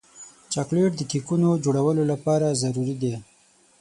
چاکلېټ د کیکونو جوړولو لپاره ضروري دی.